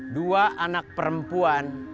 dua anak perempuan